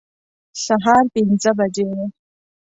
سهار پنځه بجې وې.